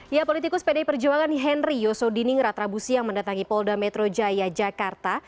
ya politikus pdi perjuangan henry yosodiningrat rabu siang mendatangi polda metro jaya jakarta